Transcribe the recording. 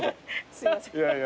すいません。